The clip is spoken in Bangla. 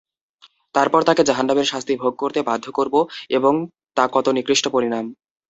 তারপর তাকে জাহান্নামের শাস্তি ভোগ করতে বাধ্য করব এবং তা কত নিকৃষ্ট পরিণাম!